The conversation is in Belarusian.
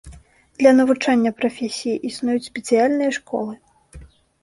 Для навучання прафесіі існуюць спецыяльныя школы.